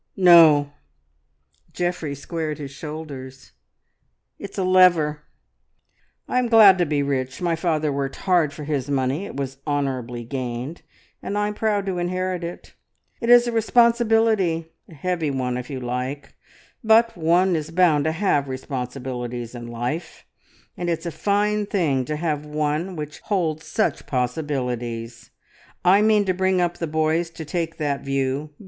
"No!" Geoffrey squared his shoulders. "It's a lever. I am glad to be rich; my father worked hard for his money it was honourably gained, and I'm proud to inherit it. It is a responsibility, a heavy one, if you like, but one is bound to have responsibilities in life, and it's a fine thing to have one which holds such possibilities. I mean to bring up the boys to take that view.